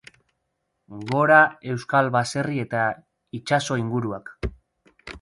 Oso populazio eskasa du eta errepideak ez daude bertan.